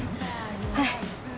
はい。